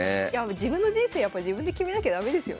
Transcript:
自分の人生やっぱ自分で決めなきゃ駄目ですよね。